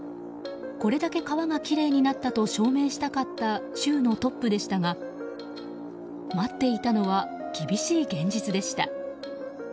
これだけ川がきれいになったと証明したかった州のトップでしたが待っていたのは厳しい現実でした。